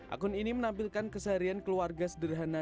akun ini menampilkan keseharian keluarga sederhana